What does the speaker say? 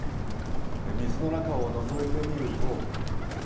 水の中をのぞいてみると。